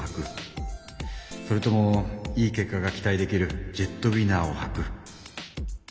それともいい結果が期待できるジェットウィナーをはく。